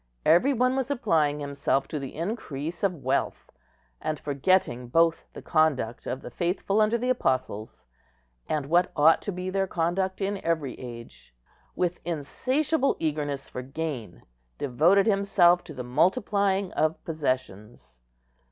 Every one was applying himself to the increase of wealth; and, forgetting both the conduct of the faithful under the Apostles, and what ought to be their conduct in every age, with insatiable eagerness for gain devoted himself to the multiplying of possessions.